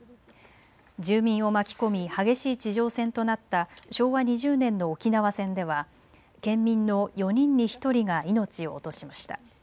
住民を巻き込み激しい地上戦となった昭和２０年の沖縄戦では県民の４人に１人が命を落としました。